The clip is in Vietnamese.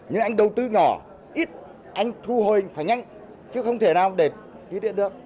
nhưng anh đầu tư nhỏ ít anh thu hồi phải nhanh chứ không thể nào để ký tiện được